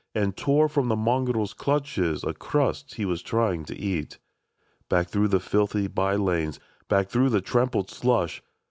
And tore from the mongrel's clutches A crust he was trying to eat. " Back, through the filthy by lanes ! Back, through the trampled slush